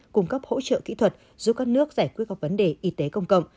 cung cấp hỗ trợ kỹ thuật giúp các nước giải quyết các vấn đề y tế công cộng